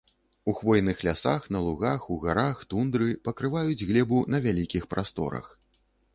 У хвойных лясах, на лугах, у гарах, тундры пакрываюць глебу на вялікіх прасторах.